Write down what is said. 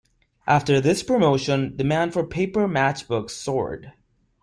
After this promotion, demand for paper matchbooks soared.